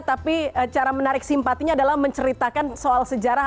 tapi cara menarik simpatinya adalah menceritakan soal sejarah